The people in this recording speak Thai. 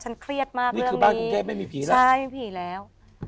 ฉันเครียดมากนี่คือบ้านกรุงเทพฯไม่มีผีแล้วใช่ไม่มีผีแล้ว